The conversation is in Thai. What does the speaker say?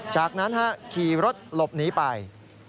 จากนั้นขี่รถหลบหนีไป